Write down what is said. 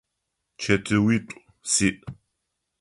Чэтыуитӏу сиӏ.